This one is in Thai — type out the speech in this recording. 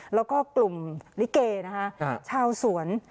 และกลุ่มลิเกชาวสวน